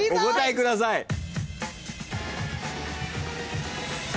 お答えください。